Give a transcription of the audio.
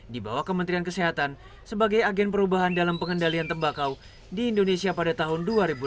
di bawah kementerian kesehatan sebagai agen perubahan dalam pengendalian tembakau di indonesia pada tahun dua ribu delapan belas